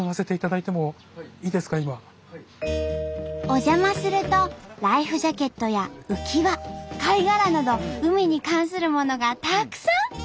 お邪魔するとライフジャケットや浮き輪貝殻など海に関するものがたくさん！